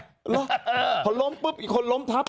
เหรอพอล้มปุ๊บอีกคนล้มทับ